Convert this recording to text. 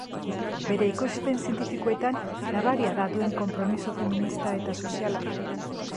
Bere ekoizpen zientifikoetan nabaria da duen konpromiso feminista eta soziala.